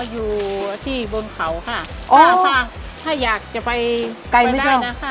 อยู่ที่เบื้องเขาค่ะอ๋อค่ะถ้าอยากจะไปไกลไหมเจ้า